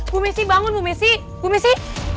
bu messi bangun bu messi